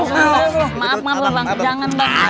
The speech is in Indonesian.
maaf maaf bang jangan bang